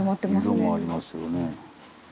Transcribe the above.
うん色もありますよね。